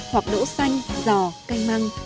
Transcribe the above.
hoặc nỗ xanh giò canh măng